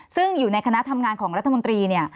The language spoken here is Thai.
ซึ่งอยู่ในคณะทำงานของรัฐมนตรี